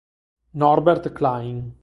Norbert Klein